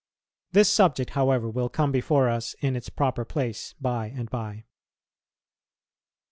This subject, however, will come before us in its proper place by and by. 5.